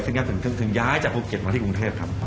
ขึ้นหย้ำจนเกื้องอย่ายจากภูเก็ตมาที่กรุงเทพฯครับ